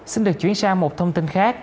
xin được chuyển sang một thông tin khác